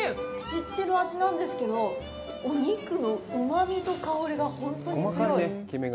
知ってる味なんですけどお肉のうまみと香りが本当に強い。